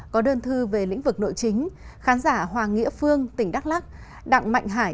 có đơn thư về lĩnh vực nội chính khán giả hoàng nghĩa phương tỉnh đắk lắc đặng mạnh hải